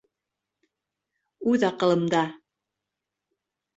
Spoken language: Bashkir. Үҙ аҡылымда...